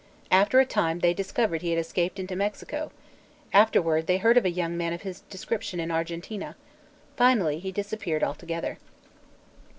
After a time they discovered he had escaped into Mexico; afterward they heard of a young man of his description in Argentine; finally he disappeared altogether.